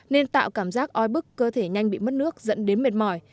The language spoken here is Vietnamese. nên tạo cảm giác oi bức cơ thể nhanh bị mất nước dẫn đến mệt mỏi